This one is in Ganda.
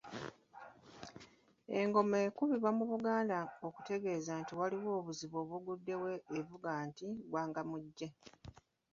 Engoma ekubibwa mu Buganda okutegeeza nti waliwo obuzibu obuguddewo evuga nti Ggwangamujje.